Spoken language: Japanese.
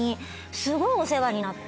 すごいお世話になって。